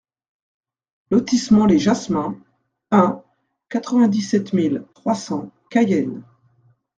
Lotissement Les Jasmins un, quatre-vingt-dix-sept mille trois cents Cayenne